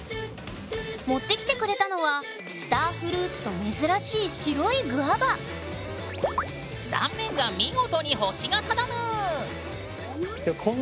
持ってきてくれたのはスターフルーツと珍しい白いグアバ断面が見事に星型だぬん。